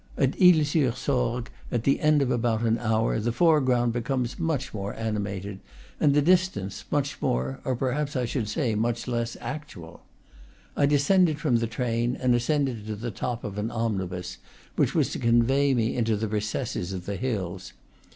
At Isle sur Sorgues, at the end of about an hour, the fore ground becomes much more animated and the distance much more (or perhaps I should say much less) actual. I descended from the train, and ascended to the top of an omnibus which was to convey me into the re cesses of the hills.